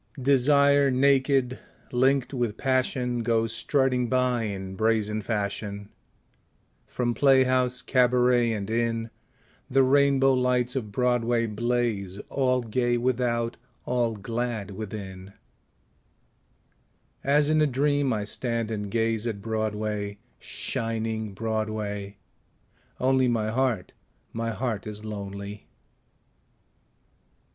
Desire naked, linked with Passion, Goes strutting by in brazen fashion; From playhouse, cabaret and inn The rainbow lights of Broadway blaze All gay without, all glad within; As in a dream I stand and gaze At Broadway, shining Broadway only My heart, my heart is lonely.